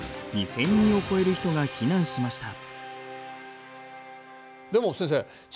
人を超える人が避難しました。